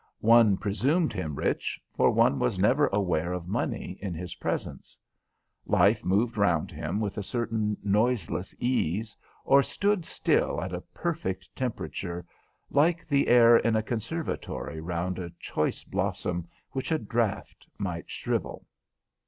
One presumed him rich, for one was never aware of money in his presence. Life moved round him with a certain noiseless ease or stood still at a perfect temperature, like the air in a conservatory round a choice blossom which a draught might shrivel.